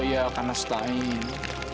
ia akan nesta'in